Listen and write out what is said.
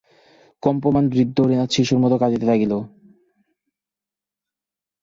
কম্পমান বৃদ্ধ হরিনাথ শিশুর মতো কাঁদিতে লাগিল।